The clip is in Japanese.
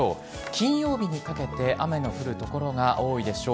金曜日にかけて雨が降る所が多いでしょう。